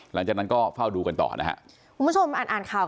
หลังจากนั้นก็เฝ้าดูกันต่อนะครับ